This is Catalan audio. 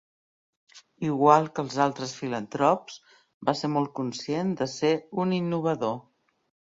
Igual que els altres filantrops, va ser molt conscient de ser un innovador.